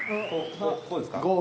こうですか？